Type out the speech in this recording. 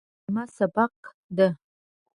دا کلمه "سبق" ده.